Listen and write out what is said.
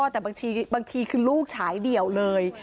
แต่บางทีคือลูกฉายเดี่ยวเลย